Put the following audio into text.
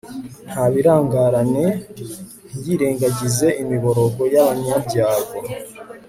ntabirangarane, ntiyirengagize imiborogo y'abanyabyago